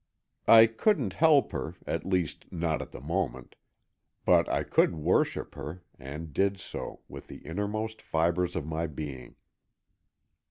I couldn't help her, at least, not at the moment, but I could worship her and did so, with the innermost fibres of my being.